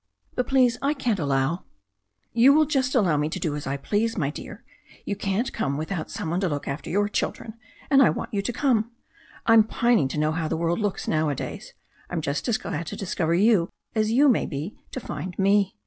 "But, please, I can't allow '* "You will just allow me to do as I please, my dear. You can't come without some one to look after your children. I want you to come. I'm pining to know how the world looks nowadays. I'm just as glad to discover you as you may be to find me.